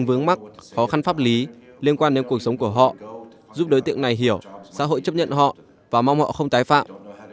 vướng mắc khó khăn pháp lý liên quan đến cuộc sống của họ giúp đối tượng này hiểu xã hội chấp nhận họ và mong họ không tái phạm